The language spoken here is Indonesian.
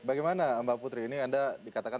bagaimana mbak putri ini anda dikatakan